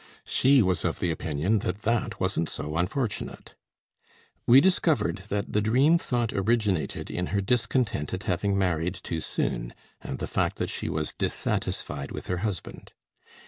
She was of the opinion that that wasn't so unfortunate. We discovered that the dream thought originated in her discontent at having married too soon, and the fact that she was dissatisfied with her husband.